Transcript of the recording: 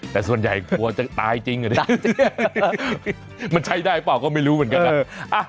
แต่ส่วนใหญ่กลัวจะตายจริงเหรอเนี่ยมันใช้ได้เปล่าก็ไม่รู้เหมือนกันนะ